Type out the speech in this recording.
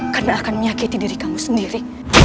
karena akan menyakiti diri kamu sendiri